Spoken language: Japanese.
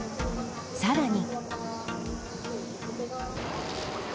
さらに。